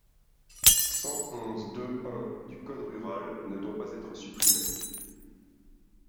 cent onze-deux-un du code rural ne doit pas être supprimé.